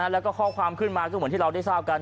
แล้วก็ข้อความขึ้นมาก็เหมือนที่เราได้ทราบกัน